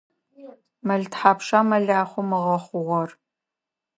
Мэл тхьапша мэлахъом ыгъэхъурэр?